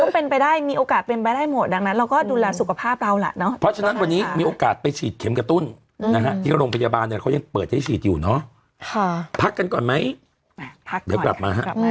เปิดใช้สีดอยู่เนอะค่ะพักกันก่อนไหมพักก่อนเดี๋ยวกลับมาค่ะอืม